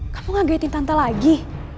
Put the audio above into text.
kamu ngagetin tentu lagi